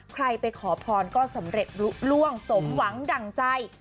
ใครไปขอพรก็สำเร็จลุกล่วงสมหวังดั่งใจ